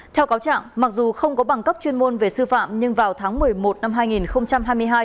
theo cáo trạng mặc dù không có bằng cấp chuyên môn về sư phạm nhưng vào tháng một mươi một năm hai nghìn hai mươi hai